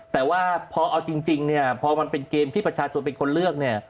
แต่ว่าเอาจริงพอมันเป็นเกมที่ประชาชนเป็นคนเลือก